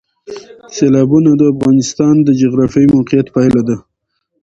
سیلابونه د افغانستان د جغرافیایي موقیعت پایله ده.